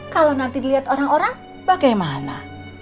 kalau nanti dilihat orang orang bagaimana